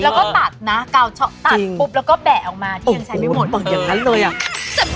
แล้วก็ตัดนะกาวตัดปุ๊บแล้วก็แบ่ออกมาที่ยังใช้ไม่หมด